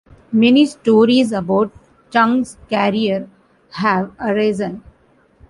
Many stories about Chang's career have arisen.